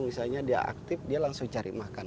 misalnya dia aktif dia langsung cari makan